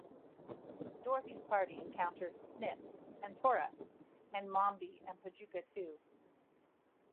Dorothy's party encounters Snip and Tora, and Mombi and Pajuka too.